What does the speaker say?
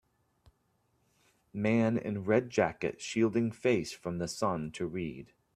Man in red jacket shielding face from the sun to read.